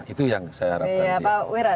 itu yang saya harapkan ya pak wira